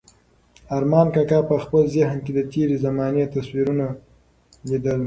ارمان کاکا په خپل ذهن کې د تېرې زمانې تصویرونه لیدل.